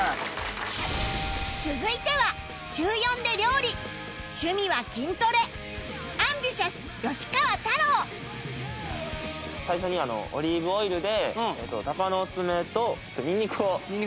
続いては週４で料理趣味は筋トレ ＡｍＢｉｔｉｏｕｓ 吉川太郎最初にオリーブオイルで鷹の爪とニンニクを炒めていきます。